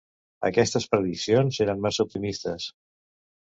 Aquestes prediccions eren massa optimistes.